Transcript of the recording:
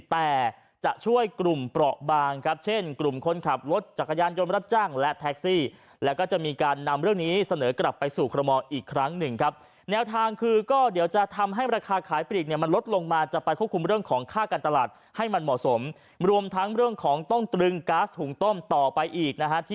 แต่จะช่วยกลุ่มปลอบางเช่นกลุ่มคนขับรถจักรยานยนต์รับจ้างและแท็กซี่